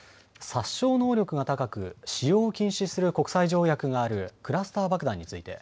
殺傷能力が高く使用を禁止する国際条約があるクラスター爆弾について